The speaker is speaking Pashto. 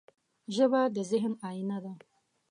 ژبه د ذهن آینه ده